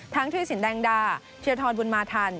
ทั้งที่สินแดงดาเทียทรบุลมาธัน